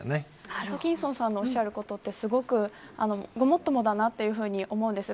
アトキンソンさんのおっしゃることってすごく、ごもっともだなというふうに思うんです。